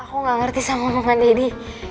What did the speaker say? aku gak ngerti sama omongan daddy